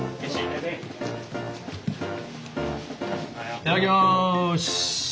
いただきます！